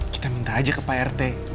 kita minta aja ke pak rt